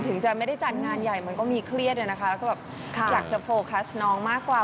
ถึงจะไม่ได้จัดงานใหญ่มันก็มีเครียดอะนะคะแล้วก็แบบอยากจะโฟกัสน้องมากกว่า